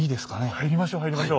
入りましょう入りましょう。